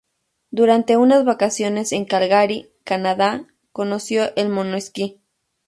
Durante unas vacaciones en Calgary, Canadá, conoció el mono-esquí.